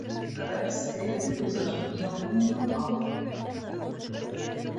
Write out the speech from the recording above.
Ҡыҙырас эре генә дуҫының яурынынан ҡаҡты: